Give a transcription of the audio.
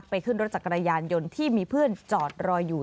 ขึ้นรถจักรยานยนต์ที่มีเพื่อนจอดรออยู่